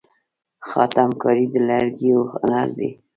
خاتم کاري د لرګیو هنر دی.